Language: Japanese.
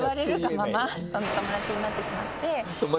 「友達になってしまって」。